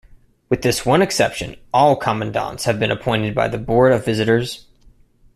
With this one exception all commandants have been appointed by the Board of Visitors.